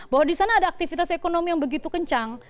bahwa di sana ada aktivitas ekonomi yang begitu kencang